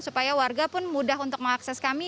supaya warga pun mudah untuk mengakses kami